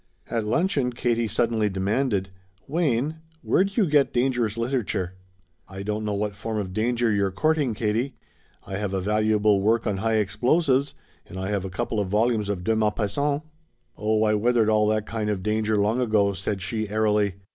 At luncheon Katie suddenly demanded: "Wayne, where do you get dangerous literature?" "I don't know what form of danger you're courting, Katie. I have a valuable work on high explosives, and I have a couple of volumes of De Maupassant." "Oh I weathered all that kind of danger long ago," said she airily.